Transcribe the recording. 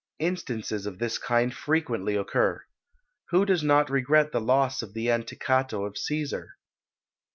Instances of this kind frequently occur. Who does not regret the loss of the Anticato of Cæsar?